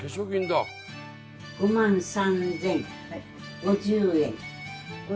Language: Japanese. ５万３０５０円。